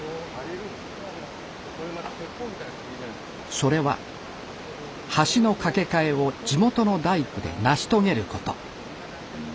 それは橋の架け替えを地元の大工で成し遂げること。